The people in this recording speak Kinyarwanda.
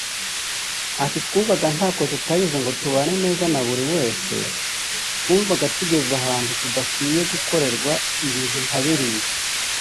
Ati “Twumvaga ntako tutagize ngo tubane neza na buri wese twumvaga tugeze ahantu tudakwiye gukorerwa ibintu nka biriya…”